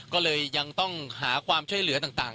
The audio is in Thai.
ก็เลยยังต้องหาความช่วยเหลือต่าง